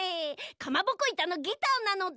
かまぼこいたのギターなのだ。